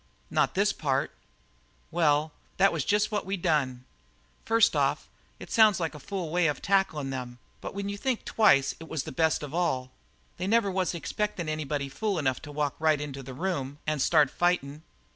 "Not this part." "Well, that was jest what we done. First off, it sounds like a fool way of tacklin' them; but when you think twice it was the best of all. They never was expectin' anybody fool enough to walk right into that room and start fightin'.